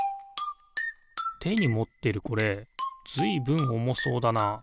てにもってるこれずいぶんおもそうだな。